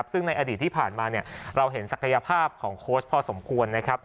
ซึ่งในอดีตที่ผ่านมาเราเห็นศักยภาพของโค้ชพอสมควรนะครับ